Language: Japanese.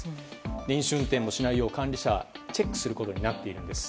飲酒運転をしないよう、管理者はチェックすることになっているんです。